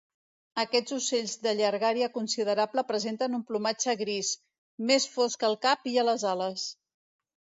Aquests ocells de llargària considerable presenten un plomatge gris, més fosc al cap i a les ales.